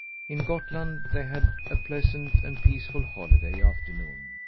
In Gottland they had a pleasant and peaceful holiday afternoon.